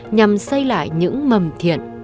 nhằm xây lại những mầm thiện